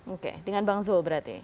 oke dengan bang zul berarti